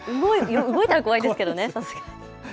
動いたら怖いですけどね。